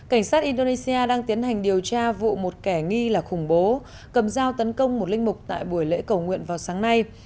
cảnh sát indonesia đang tiến hành điều tra vụ một kẻ nghi là khủng bố cầm dao tấn công một linh mục tại buổi lễ cầu nguyện vào sáng nay